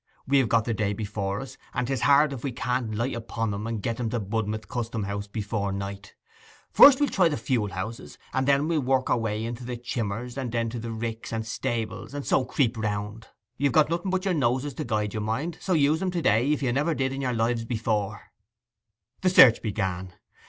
We have got the day before us, and 'tis hard if we can't light upon 'em and get 'em to Budmouth Custom house before night. First we will try the fuel houses, and then we'll work our way into the chimmers, and then to the ricks and stables, and so creep round. You have nothing but your noses to guide ye, mind, so use 'em to day if you never did in your lives before.' Then the search began.